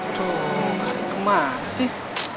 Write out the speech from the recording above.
aduh kemana sih